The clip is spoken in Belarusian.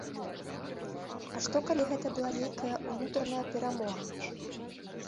А што калі гэта была нейкая ўнутраная перамога?